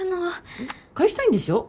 うん？返したいんでしょ？